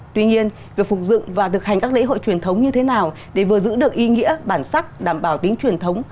tuy nhiên việc phục dựng và thực hành các lễ hội truyền thống như thế nào để vừa giữ được ý nghĩa bản sắc đảm bảo tính truyền thống